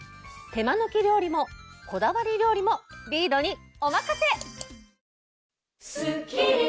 手間抜き料理もこだわり料理もリードにおまかせ！